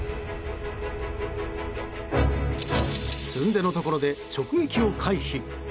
すんでのところで直撃を回避。